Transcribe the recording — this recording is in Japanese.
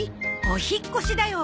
お引っ越しだよ！